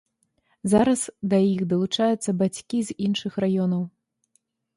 Зараз да іх далучаюцца бацькі з іншых раёнаў.